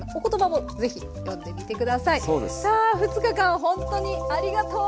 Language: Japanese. さあ２日間ほんとにありがとうございました。